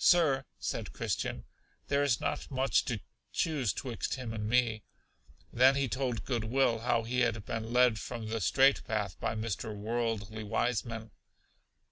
Sir, said Christian, there is not much to choose twixt him and me. Then he told Good will how he had been led from the straight path by Mr. Worldly Wiseman.